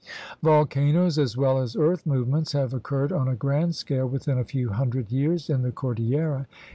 Volcanoes as well as earth movements have occurred on a grand scale within a few hundred years in the cordillera.